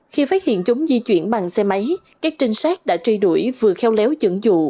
khi phát hiện chúng di chuyển bằng xe máy các trinh sát đã truy đuổi vừa kheo léo dẫn dụ